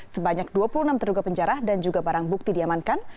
sebanyak dua puluh enam terduga penjara dan juga barang bukti diamankan